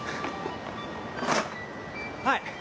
はい。